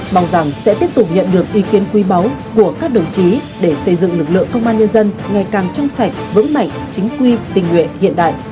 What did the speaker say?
mong rằng sẽ tiếp tục nhận được ý kiến quý báu của các đồng chí để xây dựng lực lượng công an nhân dân ngày càng trong sạch vững mạnh chính quy tình nguyện hiện đại